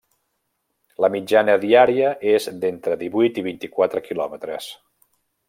La mitjana diària és d'entre divuit i vint-i-quatre kilòmetres.